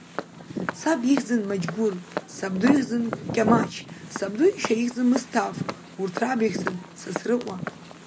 Саб ихьӡын Маџьгәыр, сабду ихьӡын Кьамач, сабду иашьа ихьӡын Мысҭаф, урҭ раб ихьӡын Сасрыҟәа.